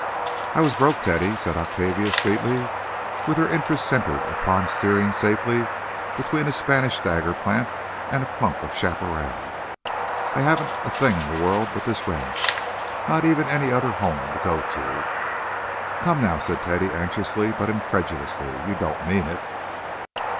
"I was broke, Teddy," said Octavia, sweetly, with her interest centred upon steering safely between a Spanish dagger plant and a clump of chaparral; "I haven't a thing in the world but this ranch—not even any other home to go to." "Come, now," said Teddy, anxiously but incredulously, "you don't mean it?"